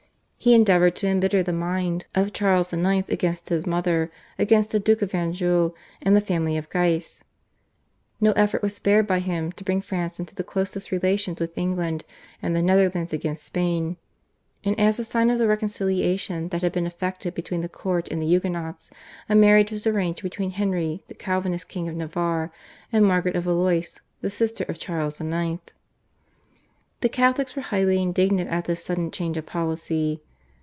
He endeavoured to embitter the mind of Charles IX. against his mother, against the Duke of Anjou and the family of Guise. No effort was spared by him to bring France into the closest relations with England and the Netherlands against Spain, and as a sign of the reconciliation that had been effected between the court and the Huguenots a marriage was arranged between Henry, the Calvinist King of Navarre and Margaret of Valois, the sister of Charles IX. The Catholics were highly indignant at this sudden change of policy.